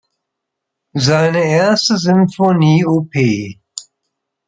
Seine erste Sinfonie op.